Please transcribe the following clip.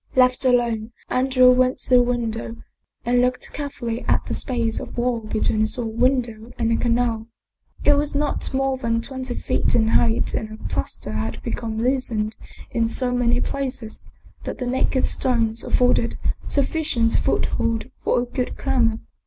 Left alone, Andrea went to the window and looked care fully at the space of wall between his own window and the canal. It was not more than twenty feet in height and the plaster had become loosened in so many places that the naked stones afforded sufficient foothold for a good climber.